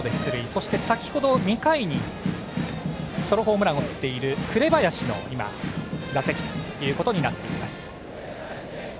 そして先程２回にソロホームランを打っている紅林の今、打席となっています。